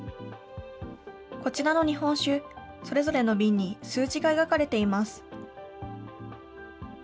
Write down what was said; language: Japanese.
こちらの日本酒、それぞれの瓶に数字が描かれています。